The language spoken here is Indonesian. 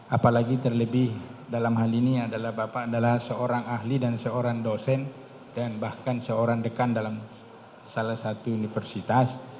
apalagi terlebih dalam hal ini adalah bapak adalah seorang ahli dan seorang dosen dan bahkan seorang dekan dalam salah satu universitas